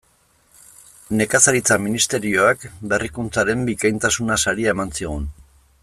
Nekazaritza Ministerioak Berrikuntzaren bikaintasuna saria eman zigun.